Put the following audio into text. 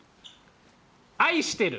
愛してる。